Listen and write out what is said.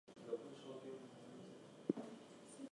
Despite this, they took part in the Battle of Moscow.